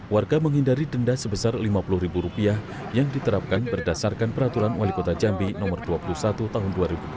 warga menghindari denda sebesar lima puluh ribu rupiah yang diterapkan berdasarkan peraturan wali kota jambi no dua puluh satu tahun dua ribu dua puluh